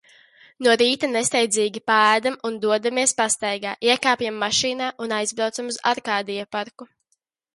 No rīta nesteidzīgi paēdam un dodamies pastaigā. Iekāpjam mašīna un aizbraucam uz Arkādija parku.